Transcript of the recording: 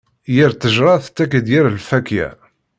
Yir ttejṛa tettak-d yir lfakya.